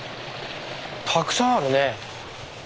たくさんあるね。